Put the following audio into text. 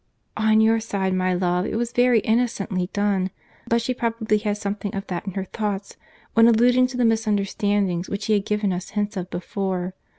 "On your side, my love, it was very innocently done. But she probably had something of that in her thoughts, when alluding to the misunderstandings which he had given us hints of before.